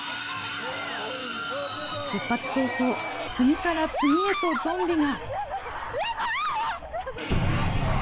出発早々、次から次へとゾンビが。